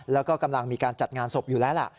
แล้วก็กำลังมีการจัดงานศพอยู่แล้วล่ะ